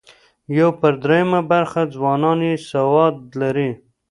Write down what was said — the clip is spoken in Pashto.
یو پر درېیمه برخه ځوانان یې سواد لري.